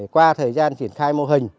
qua thời gian triển khai mô hình